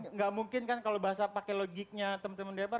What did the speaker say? nggak mungkin kan kalau bahasa pakai logiknya teman teman dpr